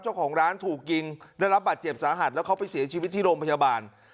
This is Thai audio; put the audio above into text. เจ้าของร้านถูกยิงได้รับบาดเจ็บสาหัสแล้วเขาไปเสียชีวิตที่โรงพยาบาล